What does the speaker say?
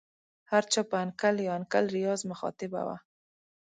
هر چا په انکل یا انکل ریاض مخاطبه وه.